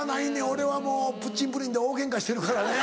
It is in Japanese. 俺はもうプッチンプリンで大ゲンカしてるからね。